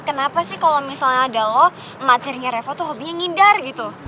kenapa sih kalau misalnya ada lo emak tirinya reva tuh hobinya ngindar gitu